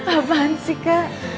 apaan sih kak